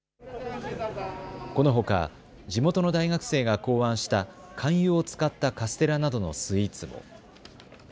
このほか地元の大学生が考案した肝油を使ったカステラなどのスイーツも。